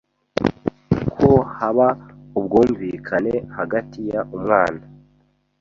ko haba ubwumvikane hagati y umwana